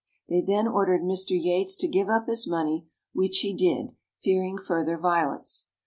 They then ordered Mr. Yates to give up his money, which he did, fearing further violence.